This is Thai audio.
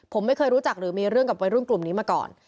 ผมไม่เคยรู้จักหรือมีเรื่องกับวัยรุ่นกลุ่มนี้มาก่อน